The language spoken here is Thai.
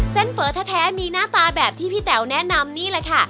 เฟ้อแท้มีหน้าตาแบบที่พี่แต๋วแนะนำนี่แหละค่ะ